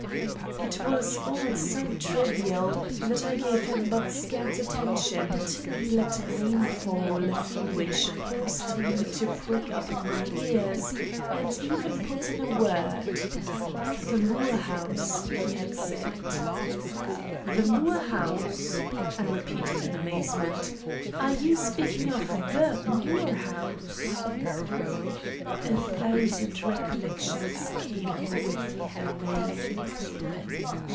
It was all so trivial that I gave him but scant attention till he let a name fall which caused me to prick up my ears and even to put in a word. "The Moore house," he had said. "The Moore house?" I repeated in amazement. "Are you speaking of the Moore house?" A thousand recollections came with the name.